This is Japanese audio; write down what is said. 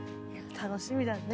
楽しみだね。